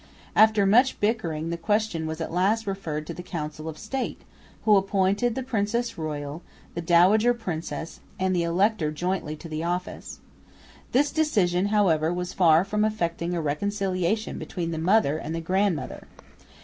After much bickering the question was at last referred to the Council of State, who appointed the princess royal, the dowager princess and the elector jointly to the office. This decision however was far from effecting a reconciliation between the mother and the grandmother.